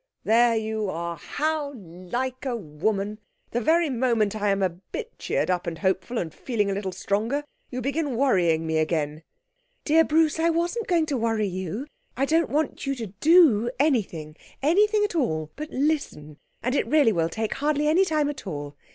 'There you are! How like a woman! The very moment I am a bit cheered up and hopeful and feeling a little stronger, you begin worrying me again.' 'Dear Bruce, I wasn't going to worry you. I don't want you to do anything anything at all but listen, and it really will take hardly any time at all.